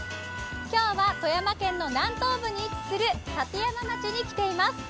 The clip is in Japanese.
今日は富山県の南東部に位置する立山町に来ています。